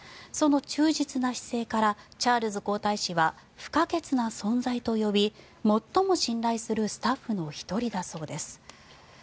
その忠実な姿勢からチャールズ皇太子は不可欠な存在と呼び最も信頼するスタッフの１人だそうです。